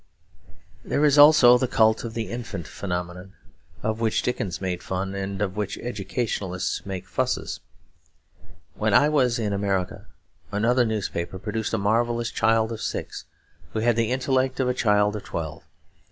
There is also the cult of the Infant Phenomenon, of which Dickens made fun and of which educationalists make fusses. When I was in America another newspaper produced a marvellous child of six who had the intellect of a child of twelve.